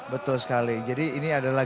betul sekali jadi ini adalah